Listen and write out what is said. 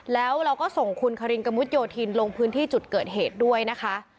แล้วเราก็ส่งคุณคารินกระมุดโยธินลงพื้นที่จุดเกิดเหตุด้วยนะคะ